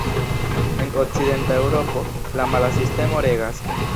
En okcidenta Eŭropo, la mala sistemo regas.